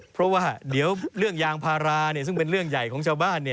เพราะว่าเดี๋ยวเรื่องยางพาราซึ่งเป็นเรื่องใหญ่ของชาวบ้าน